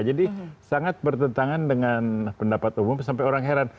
jadi sangat bertentangan dengan pendapat umum sampai orang heran